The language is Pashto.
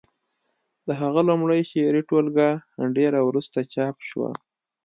د هغه لومړۍ شعري ټولګه ډېره وروسته چاپ شوه